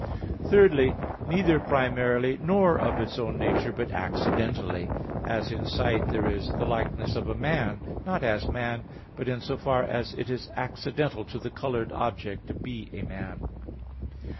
Thirdly, neither primarily nor of its own nature, but accidentally, as in sight, there is the likeness of a man, not as man, but in so far as it is accidental to the colored object to be a man.